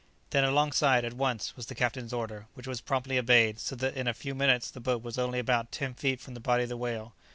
"Then, alongside at once," was the captain's order, which was promptly obeyed, so that in a few minutes the boat was only about ten feet from the body of the whale.